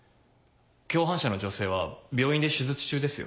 共犯者の女性は病院で手術中ですよ。